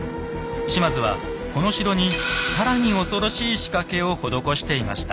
島津はこの城に更に恐ろしい仕掛けを施していました。